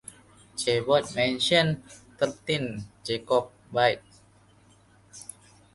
Chabot mentions thirteen Jacobite archbishops from the ninth to the twelfth century.